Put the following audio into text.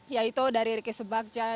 yaitu dari ricky subakja